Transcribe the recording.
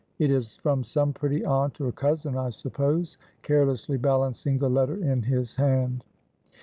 It is from some pretty aunt, or cousin, I suppose," carelessly balancing the letter in his hand.